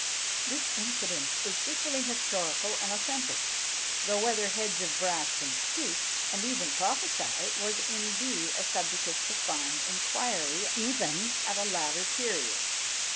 This incident is equally historical and authentic; though whether heads of brass can speak, and even prophesy, was indeed a subject of profound inquiry even at a later period.